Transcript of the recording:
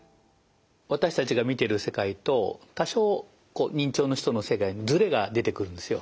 私たちが見てる世界と多少認知症の人の世界ズレが出てくるんですよ。